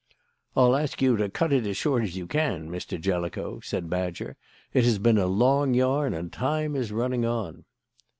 "I'll ask you to cut it as short as you can, Mr. Jellicoe," said Badger. "It has been a long yarn and time is running on."